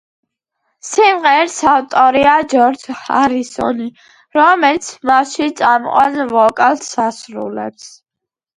სიმღერის ავტორია ჯორჯ ჰარისონი, რომელიც მასში წამყვან ვოკალს ასრულებს.